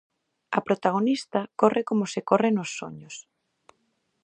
A protagonista corre como se corre nos soños.